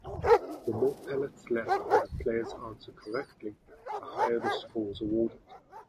The more pellets left when the players answer correctly, the higher the scores awarded.